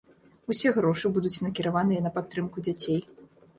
Усе грошы будуць накіраваныя на падтрымку дзяцей.